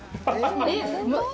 えっ？